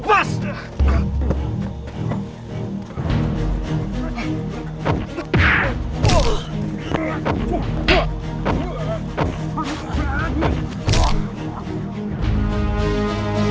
mardian sini kamu